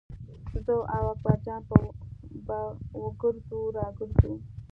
زه او اکبر جان به وګرځو را وګرځو.